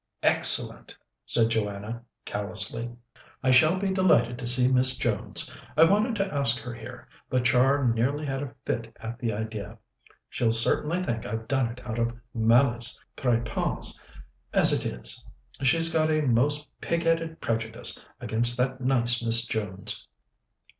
"Excellent!" said Joanna callously. "I shall be delighted to see Miss Jones. I wanted to ask her here, but Char nearly had a fit at the idea. She'll certainly think I've done it out of malice prepense, as it is. She's got a most pigheaded prejudice against that nice Miss Jones."